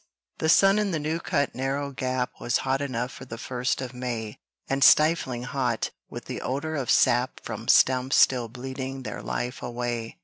The sun in the new cut narrow gap Was hot enough for the first of May, And stifling hot with the odor of sap From stumps still bleeding their life away.